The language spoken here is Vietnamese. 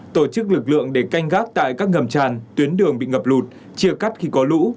tổ chức lực lượng để canh gác tại các ngầm tràn tuyến đường bị ngập lụt chia cắt khi có lũ